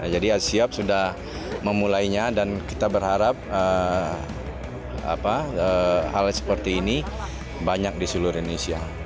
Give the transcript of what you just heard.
jadi asiop sudah memulainya dan kita berharap hal seperti ini banyak di seluruh indonesia